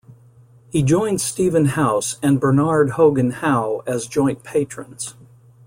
He joined Stephen House and Bernard Hogan-Howe as joint patrons.